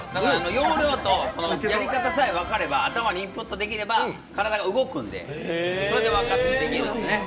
要領とやり方さえ分かれば、頭にインプットできれば体動くんでそれでできるんですね。